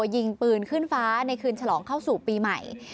ยิงปืนขึ้นฟ้าในคืนฉลองเข้าสู่ปีใหม่